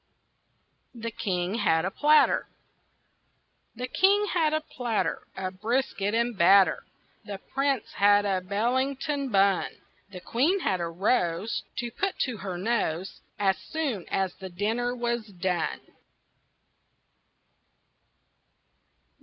THE KING HAD A PLATTER The King had a platter Of brisket and batter, The Prince had a Bellington bun, The Queen had a rose To put to her nose As soon as the dinner was done.